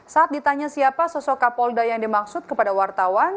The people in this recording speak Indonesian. saat ditanya siapa sosok kapolda yang dimaksud kepada wartawan